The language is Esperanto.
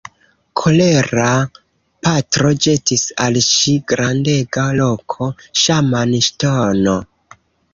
Kolera patro ĵetis al ŝi grandega roko Ŝaman-ŝtono.